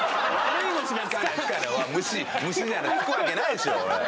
虫じゃないつくわけないでしょ！